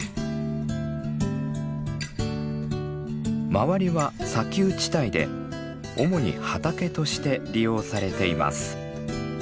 周りは砂丘地帯で主に畑として利用されています。